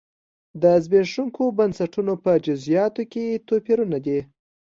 د زبېښونکو بنسټونو په جزییاتو کې توپیرونه دي.